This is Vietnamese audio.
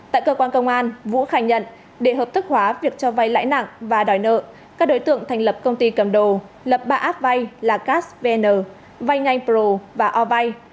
tại cơ quan công an vũ khẳng nhận để hợp thức hóa việc cho vay lãi nặng và đòi nợ các đối tượng thành lập công ty cầm đầu lập ba app vay là gasvn vay ngay pro và ovay